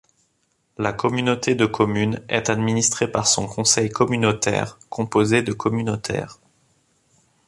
La communauté de communes est administrée par son conseil communautaire, composé de communautaires.